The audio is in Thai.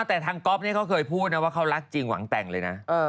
แต่ทางก๊อฟเนี่ยเขาเคยพูดนะว่าเขารักจริงหวังแต่งเลยนะ